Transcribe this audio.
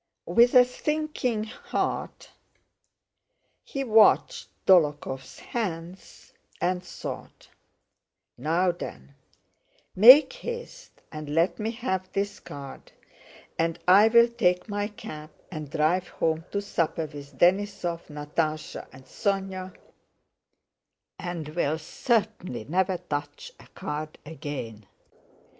With a sinking heart he watched Dólokhov's hands and thought, "Now then, make haste and let me have this card and I'll take my cap and drive home to supper with Denísov, Natásha, and Sónya, and will certainly never touch a card again."